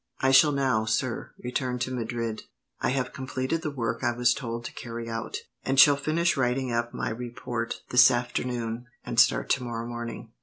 "I shall now, sir, return to Madrid. I have completed the work I was told to carry out, and shall finish writing up my report this afternoon, and start tomorrow morning."